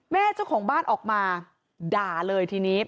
เจ้าของบ้านออกมาด่าเลยทีนี้